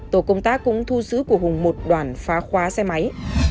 tổ công tác cũng thu giữ của hùng một đoàn phá khóa xe máy